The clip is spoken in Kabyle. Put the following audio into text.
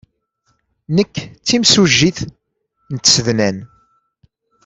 Nekk d timsujjit n tsednan.